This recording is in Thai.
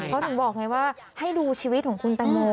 เขาถึงบอกไงว่าให้ดูชีวิตของคุณแตงโม